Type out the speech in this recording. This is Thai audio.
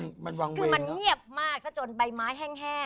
คือมันเงียบมากซะจนใบไม้แห้ง